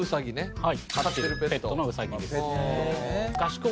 はい。